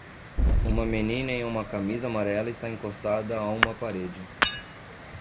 Uma menina em uma camisa amarela está encostada a uma parede.